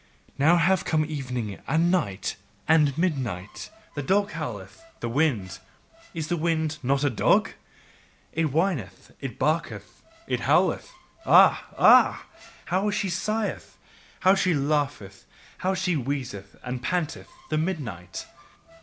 Now have come evening and night and midnight, the dog howleth, the wind: Is the wind not a dog? It whineth, it barketh, it howleth. Ah! Ah! how she sigheth! how she laugheth, how she wheezeth and panteth, the midnight!